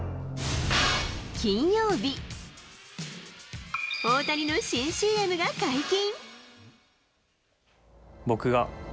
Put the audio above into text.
金曜日、大谷の新ＣＭが解禁。